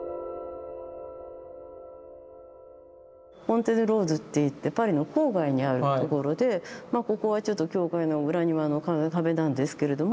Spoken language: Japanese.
フォントネ・オ・ローズっていってパリの郊外にあるところでまあここはちょっと教会の裏庭の壁なんですけれども。